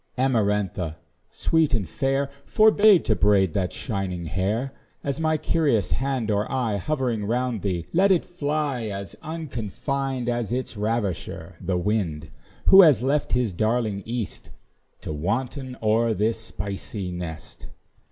Amarantha, sweet and fair, Forbear to braid that shining hair; As my curious hand or eye, Hovering round thee, let it fly: Let it fly as unconfined As its ravisher the wind, Who has left his darling east To wanton o'er this spicy nest.